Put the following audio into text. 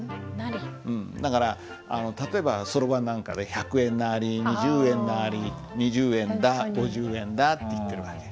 だから例えばそろばんなんかで「百円なり二十円なり」「二十円だ五十円だ」って言ってる訳。